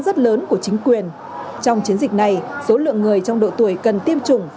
rất lớn của chính quyền trong chiến dịch này số lượng người trong độ tuổi cần tiêm chủng